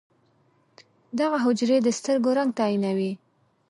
دغه حجرې د سترګو رنګ تعیینوي.